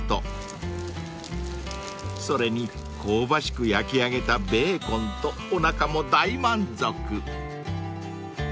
［それに香ばしく焼き上げたベーコンとおなかも大満足］